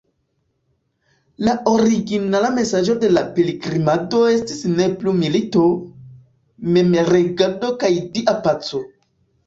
La originala mesaĝo de la pilgrimado estis "Ne plu milito", "Memregado" kaj "Dia paco".